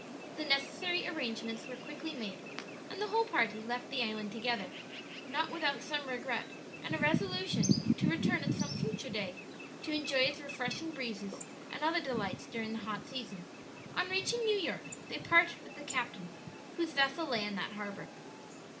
The necessary arrangements were quickly made, and the whole party left the island together, not without some regret and a resolution to return at some future day to enjoy its refreshing breezes and other delights during the hot season. On reaching New York they parted with the captain, whose vessel lay in that harbor.